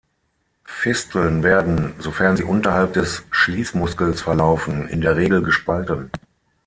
Fisteln werden, sofern sie unterhalb des Schließmuskels verlaufen, in der Regel gespalten.